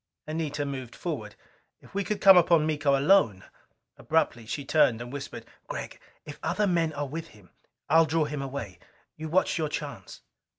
Anita moved forward. If we could come upon Miko alone! Abruptly she turned and whispered, "Gregg, if other men are with him, I'll draw him away. You watch your chance."